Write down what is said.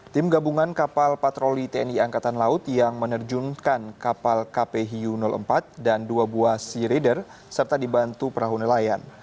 tim gabungan kapal patroli tni angkatan laut yang menerjunkan kapal kp hiu empat dan dua buah sea rader serta dibantu perahu nelayan